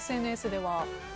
ＳＮＳでは。